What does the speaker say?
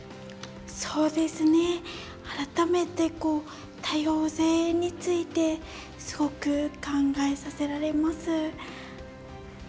改めて多様性についてすごく考えさせられます。